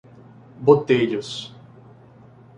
Botelhos